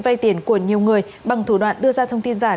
vây tiền của nhiều người bằng thủ đoạn đưa ra thông tin giải